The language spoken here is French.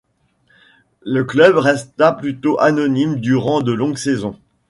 Le club resta plutôt anonyme durant de longues saisons.